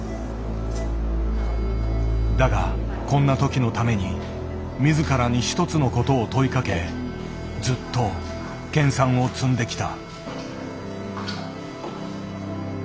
だがこんな時のために自らに一つのことを問いかけずっと研さんを積んできた。